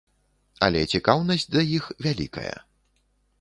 Але цікаўнасць да іх вялікая.